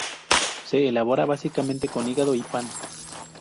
Se elabora básicamente con hígado y pan.